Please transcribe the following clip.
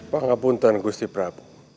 sangabuntan gusti prabu